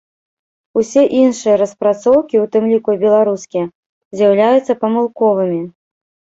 Усе іншыя распрацоўкі, у тым ліку і беларускія, з'яўляюцца памылковымі.